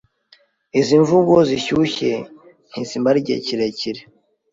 Izi mvugo zishyushye ntizimara igihe kirekire.